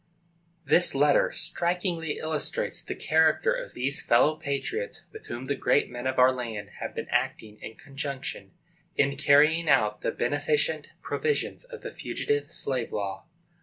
This letter strikingly illustrates the character of these fellow patriots with whom the great men of our land have been acting in conjunction, in carrying out the beneficent provisions of the Fugitive Slave Law.